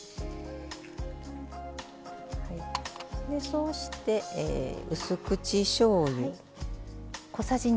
そうしてうす口しょうゆ。